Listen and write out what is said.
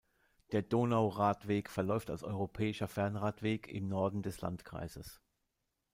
Der Donauradweg verläuft als europäischer Fernradweg im Norden des Landkreises.